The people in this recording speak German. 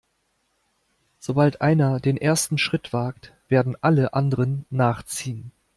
Sobald einer den ersten Schritt wagt, werden alle anderen nachziehen.